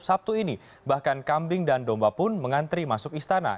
sabtu ini bahkan kambing dan domba pun mengantri masuk istana